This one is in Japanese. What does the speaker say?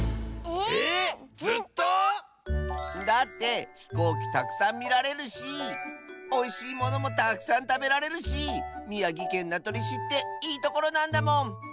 ええっずっと⁉だってひこうきたくさんみられるしおいしいものもたくさんたべられるしみやぎけんなとりしっていいところなんだもん！